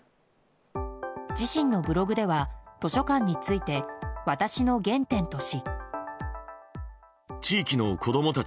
自身のブログでは図書館について私の原点とし。